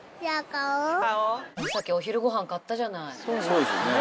そうですよね。